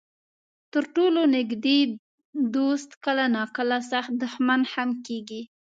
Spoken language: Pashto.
تر ټولو نږدې دوست کله ناکله سخت دښمن هم کېږي.